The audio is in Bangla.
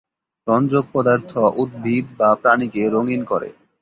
রঞ্জক পদার্থ উদ্ভিদ বা প্রাণীকে রঙিন করে।